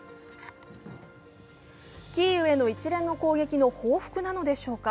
キーウへの一連の攻撃の報復なのでしょうか。